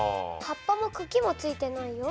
葉っぱもくきもついてないよ。